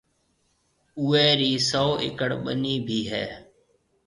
اُوئي رِي سئو ايڪڙ ٻنِي ڀِي هيَ۔